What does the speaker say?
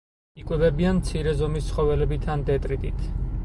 იკვებებიან მცირე ზომის ცხოველებით ან დეტრიტით.